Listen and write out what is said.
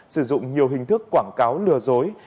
sử dụng nhiều hình thức quảng cáo lừa dối